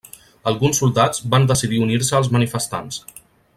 Alguns soldats van decidir unir-se als manifestants.